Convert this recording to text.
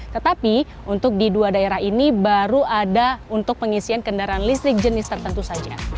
tetapi untuk di dua daerah ini baru ada untuk pengisian kendaraan listrik jenis tertentu saja